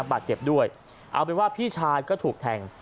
บาดเจ็บด้วยเอาเป็นว่าพี่ชายก็ถูกแทง